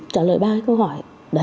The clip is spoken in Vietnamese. trả lời ba câu hỏi